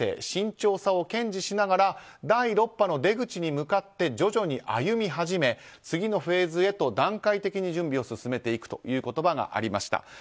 慎重さを堅持しながら第６波の出口に向かって徐々に歩み始め次のフェーズへと段階的に準備を進めていくという言葉がありました。